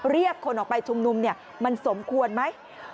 เรียกคนออกไปชุมนุมมันสมควรไหม